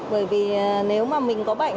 bởi vì nếu mà mình có bệnh